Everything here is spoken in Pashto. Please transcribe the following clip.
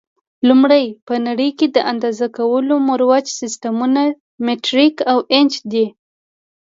لومړی: په نړۍ کې د اندازه کولو مروج سیسټمونه مټریک او انچ دي.